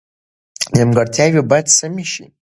نیمګړتیاوې باید سمې شي.